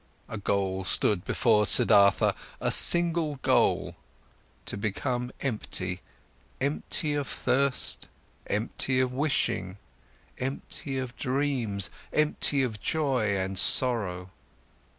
A goal stood before Siddhartha, a single goal: to become empty, empty of thirst, empty of wishing, empty of dreams, empty of joy and sorrow.